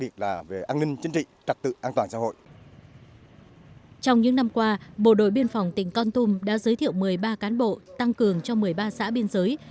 trong những năm qua bộ đội biên phòng tỉnh con tum đã giới thiệu một mươi ba cán bộ tăng cường cho một mươi ba xã biên giới